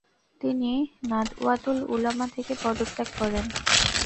তিনি নাদওয়াতুল উলামা থেকে পদত্যাগ করেন।